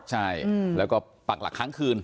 ใช่แล้วก็ปักหลักครั้งคืน